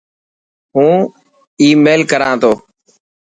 هون آي ميل ڪران تو.